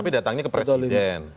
tapi datangnya ke presiden